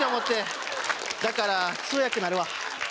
だから通訳になるわ。